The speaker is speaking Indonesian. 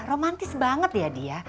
romantis banget ya dia